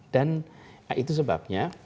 dan itu sebabnya